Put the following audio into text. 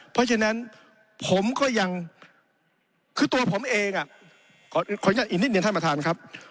เพราะฉะนั้นผมก็ยังคือตัวผมเองอะ